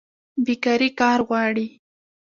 بیکاري کار غواړي